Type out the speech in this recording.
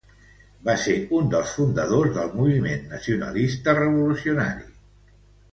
Va ser un dels fundadors del Moviment Nacionalista Revolucionari.